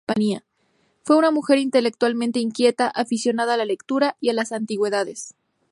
Fue una mujer intelectualmente inquieta, aficionada a la lectura y las antigüedades.